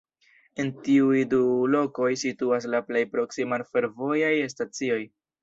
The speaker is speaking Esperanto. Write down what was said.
En tiuj du lokoj situas la plej proksimaj fervojaj stacioj.